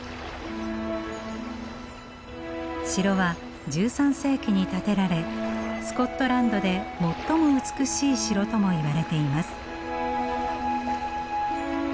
城は１３世紀に建てられスコットランドで最も美しい城ともいわれています。